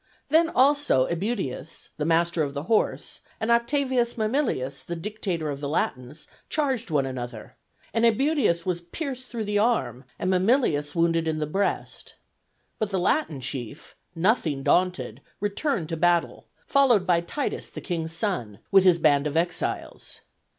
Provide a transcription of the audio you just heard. Then also Æbutius, the master of the horse, and Oct. Mamilius, the dictator of the Latins, charged one another, and Æbutius was pierced through the arm, and Mamilius wounded in the breast. But the Latin chief, nothing daunted, returned to battle, followed by Titus, the king's son, with his band of exiles.